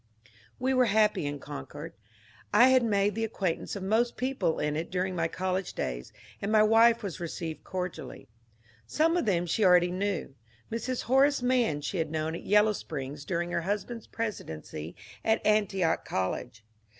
We were bappy in Concord. I had made the acquaintance of most people in it during my college days, and my wife was received cordially. Some of tbem she already knew ; Mrs. Horace Mann she bad known at YeHow Springs during her husband's presidency at Antioch College.